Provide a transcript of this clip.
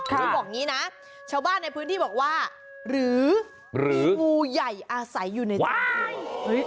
จะบอกนี้นะชาวบ้านในพื้นที่บอกว่าหรือมูใหญ่อาศัยอยู่ในจังหวาย